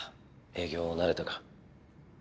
営業慣れたか？